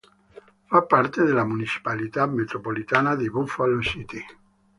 Fa parte della municipalità metropolitana di Buffalo City.